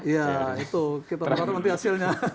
ya itu kita potong nanti hasilnya